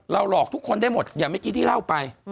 หลอกทุกคนได้หมดอย่างเมื่อกี้ที่เล่าไป